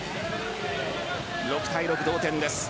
６対６、同点です。